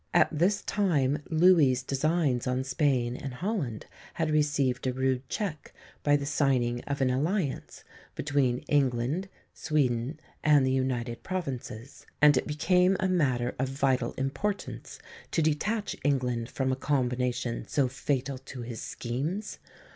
At this time Louis' designs on Spain and Holland had received a rude check by the signing of an alliance between England, Sweden, and the United Provinces; and it became a matter of vital importance to detach England from a combination so fatal to his schemes.